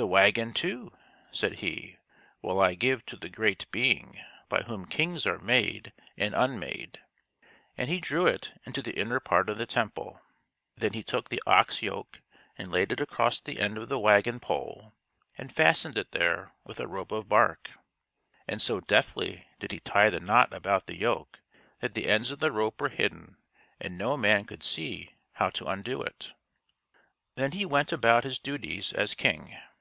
" The wagon, too," said he, " will I give to the great Being by whom kings are made and un made ;" and he drew it into the inner part of the temple. Then he took the ox yoke and laid it THE GORDIAN KNOT 9 1 across the end of the wagon pole and fastened it there with a rope of bark. And so deftly did he tie the knot about the yoke that the ends of the rope were hidden and no man could see how to undo it. Then he went about his duties as king.